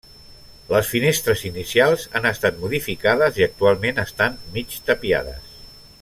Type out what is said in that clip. Les finestres inicials han estat modificades i actualment estan mig tapiades.